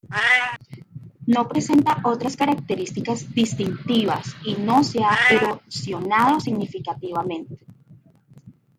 No presenta otras características distintivas, y no se ha erosionado significativamente.